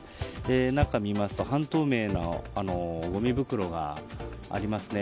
中を見ますと半透明のごみ袋がありますね。